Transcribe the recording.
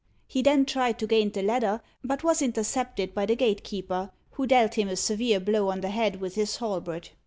He then tried to gain the ladder, but was intercepted by the gatekeeper, who dealt him a severe blow on the head with his halberd.